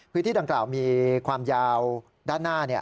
พื้นที่ดังกล่าวมีความยาวด้านหน้า